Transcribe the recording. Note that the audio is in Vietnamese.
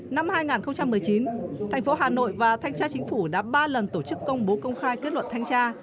năm hai nghìn một mươi chín thành phố hà nội và thanh tra chính phủ đã ba lần tổ chức công bố công khai kết luận thanh tra